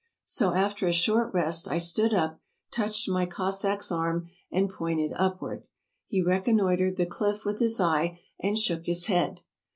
So after a short rest I stood up, touched my Cossack's arm, and pointed up ward. He reconnoitered the cliff with his eye, and shook his head.